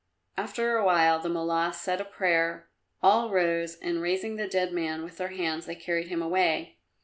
After a while the Mullah said a prayer; all rose, and raising the dead man with their hands they carried him away.